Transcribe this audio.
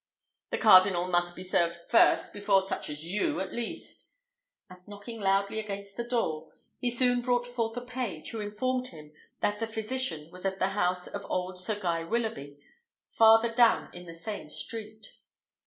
"The cardinal must be served first, before such as you, at least;" and knocking loudly against the door, he soon brought forth a page, who informed him that the physician was at the house of old Sir Guy Willoughby, farther down in the same street.